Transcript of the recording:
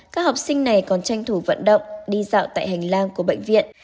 các học sinh này còn tranh thủ vận động đi dạo tại hành lang của bệnh viện